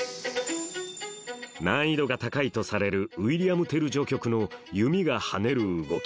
難易度が高いとされる『ウィリアム・テル序曲』の弓が跳ねる動き